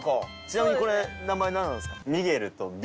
ちなみにこれ名前なんなんですか？